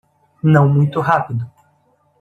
Não muito rápido